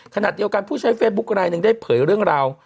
ขณะเดียวกันผู้ใช้เฟซบุ๊คไลนึงได้เผยเรื่องราว